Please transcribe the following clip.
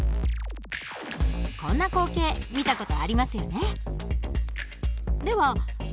こんな光景見た事ありますよね。